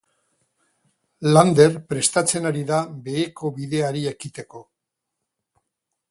Lander prestatzen ari da beheko bideari ekiteko.